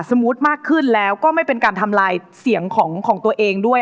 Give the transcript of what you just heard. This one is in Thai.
สมมุติมากขึ้นแล้วก็ไม่เป็นการทำลายเสียงของตัวเองด้วย